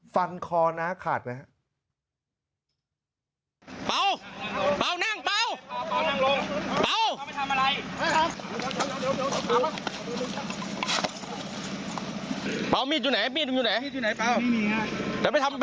ฟันคอน้าขาดไหมครับ